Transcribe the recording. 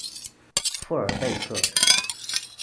富尔贝克。